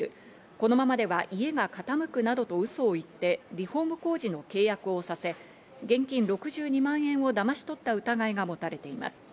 このままでは家が傾くなどとウソを言って、リフォーム工事の契約をさせ、現金６２万円をだまし取った疑いが持たれています。